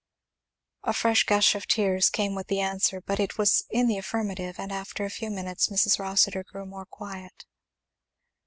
A fresh gush of tears came with the answer, but it was in the affirmative; and after a few minutes Mrs. Rossitur grew more quiet.